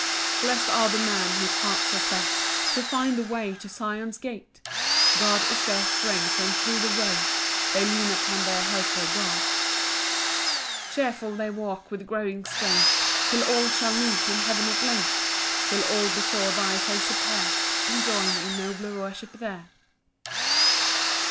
6 Blest are the men whose hearts are set To find the way to Sion's gate; God is their strength, and thro' the road They lean upon their helper God. 7 Cheerful they walk with growing strength, Till all shall meet in heaven at length, Till all before thy face appear, And join in nobler worship there.